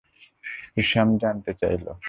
Hisham জানতে চাইল।